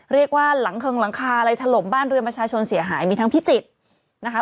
เรียกว่าหลังคลึงหลังคาหลายถลมบ้านเรือนประชาชนเสียหายมีทั้งพิจิตรนะคะ